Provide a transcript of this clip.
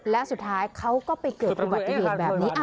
และสุดท้ายเขาก็ไปเกิดประวัติศิษฐ์แบบนี้